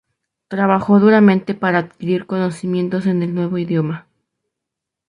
Trabajó duramente para adquirir conocimientos en el nuevo idioma.